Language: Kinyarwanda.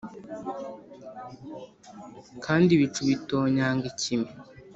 kandi ibicu bitonyanga ikime